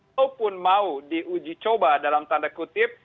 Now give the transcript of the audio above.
ataupun mau diuji coba dalam tanda kutip